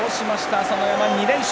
朝乃山２連勝。